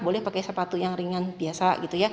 boleh pakai sepatu yang ringan biasa